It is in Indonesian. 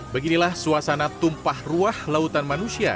beginilah suasana tumpah ruah lautan manusia